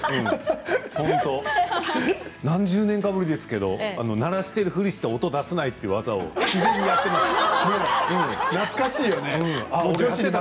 本当何十年かぶりですけれども鳴らしているふりをして音を出さないという技をやっていました。